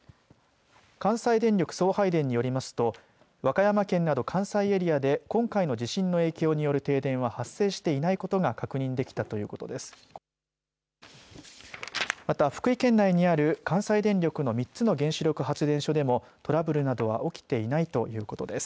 関西電力送配電によりますと和歌山県など関西エリアで今回の地震の影響による停電は発生していないことが確認できたということです。